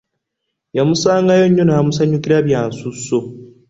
Yamusangayo nnyo n'amusanyukira bya nsuso.